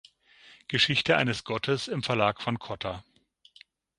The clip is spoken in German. Geschichte eines Gottes" im Verlag von Cotta.